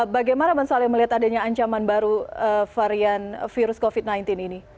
bagaimana bang saleh melihat adanya ancaman baru varian virus covid sembilan belas ini